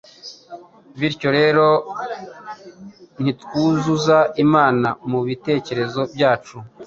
Bityo rero, nitwuzuza Imana mu bitekerezo byacu,